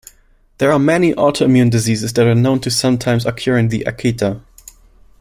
There are many autoimmune diseases that are known to sometimes occur in the Akita.